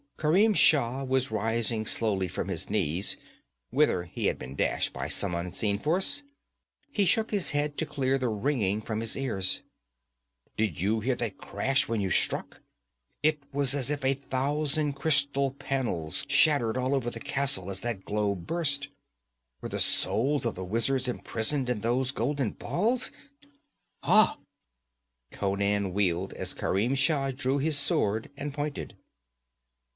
Kerim Shah was rising slowly from his knees, whither he had been dashed by some unseen force. He shook his head to clear the ringing from his ears. 'Did you hear that crash when you struck? It was as if a thousand crystal panels shattered all over the castle as that globe burst. Were the souls of the wizards imprisoned in those golden balls? Ha!' Conan wheeled as Kerim Shah drew his sword and pointed.